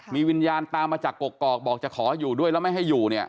มีวิญญาณตามมาจากกกอกบอกจะขออยู่ด้วยแล้วไม่ให้อยู่เนี่ย